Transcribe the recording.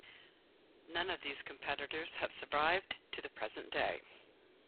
None of these competitors have survived to the present day.